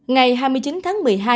ngày hai mươi chín tháng một mươi hai